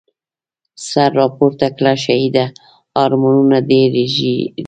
سر راپورته کړه شهیده، ارمانونه دي رژیږی